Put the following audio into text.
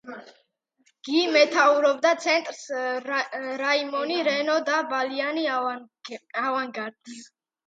გი მეთაურობდა ცენტრს, რაიმონი, რენო და ბალიანი ავანგარდს.